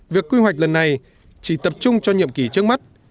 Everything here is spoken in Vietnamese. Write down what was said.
việc quy hoạch lần này chỉ tập trung cho nhiệm kỳ trước mắt